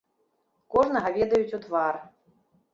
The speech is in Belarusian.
Кожнага ведаюць у твар.